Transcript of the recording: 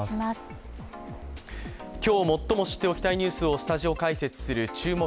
今日最も知っておきたいニュースをスタジオ解説、「注目！